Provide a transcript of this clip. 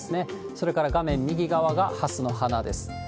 それから画面右側がハスの花です。